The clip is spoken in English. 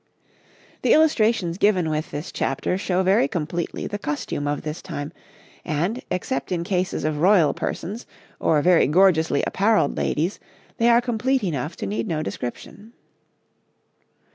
] The illustrations given with this chapter show very completely the costume of this time, and, except in cases of royal persons or very gorgeously apparelled ladies, they are complete enough to need no description.